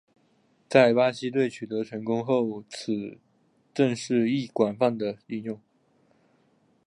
在巴西队取得成功后此阵式亦广泛地应用。